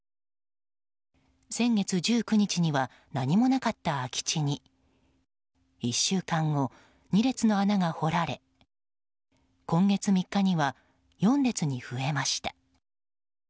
先月１９日には何もなかった空き地に１週間後、２列の穴が掘られ今月３日には４列に増えました。